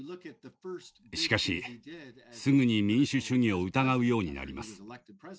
しかし、すぐに民主主義を疑うようになります。